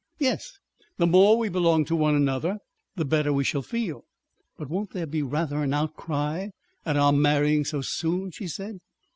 "Yes. The more we belong to one another the better we shall feel." "But but won't there be rather an outcry at our marrying so soon?" she said.